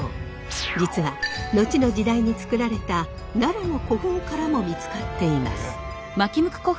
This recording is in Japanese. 実は後の時代に作られた奈良の古墳からも見つかっています。